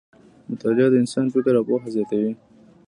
مطالعه د انسان فکر او پوهه زیاتوي.